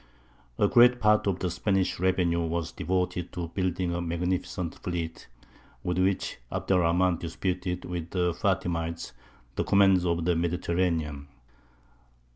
A great part of the Spanish revenue was devoted to building a magnificent fleet, with which Abd er Rahmān disputed with the Fātimites the command of the Mediterranean.